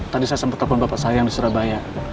tadi saya sempet telepon bapak sayang di surabaya